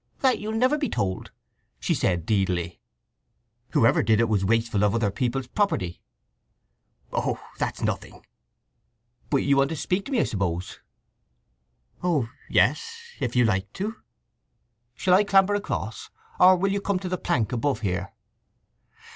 "That you'll never be told," said she deedily. "Whoever did it was wasteful of other people's property." "Oh, that's nothing." "But you want to speak to me, I suppose?" "Oh yes; if you like to." "Shall I clamber across, or will you come to the plank above here?"